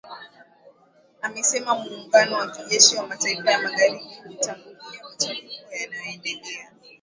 amesema muungano wa kijeshi wa mataifa ya magharibi hautaingilia machafuko yanayoendelea